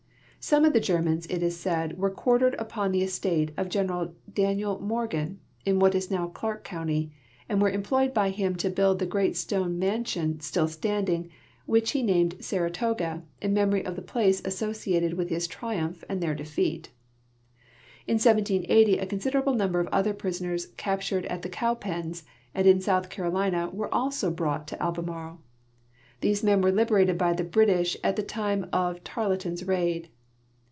Some of the Germans, it is said, Avere quartered upon the estate of General Daniel Morgan, in Avhat is iioaV Clarke county, and Avere emplo3'^ed by him to build the great stone mansion, still standing, Avliich he named " Saratoga " in memory of the place associated Avith his triumpli and their defeat. In 1780 a considerable number of other prisoners cajAtured at tlie CoAvpens and in South Carolina Avere also brought to Alhemarle. These men Avere liberated by the British at the time of Tarleton's raid.